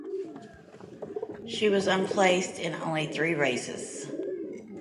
She was unplaced in only three races.